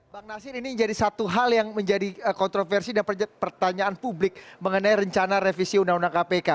bang nasir ini jadi satu hal yang menjadi kontroversi dan pertanyaan publik mengenai rencana revisi undang undang kpk